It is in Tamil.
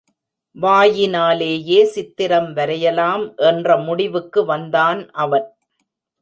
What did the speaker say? வாயினாலேயே சித்திரம் வரையலாம் என்ற முடிவுக்கு வந்தான் அவன்.